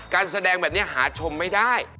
การแสดงแบบนี้หาชมไม่ได้